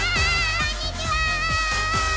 こんにちは！